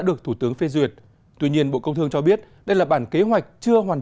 được thủ tướng phê duyệt tuy nhiên bộ công thương cho biết đây là bản kế hoạch chưa hoàn